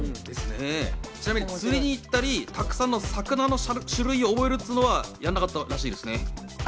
ちなみに釣りに行ったり、たくさんの魚の種類を覚えたりというのはやんなかったらしいですね。